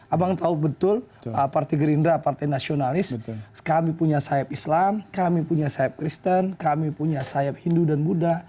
abang tahu betul partai gerindra partai nasionalis kami punya sayap islam kami punya sayap kristen kami punya sayap hindu dan buddha